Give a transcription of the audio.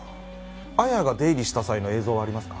彩矢が出入りした際の映像はありますか？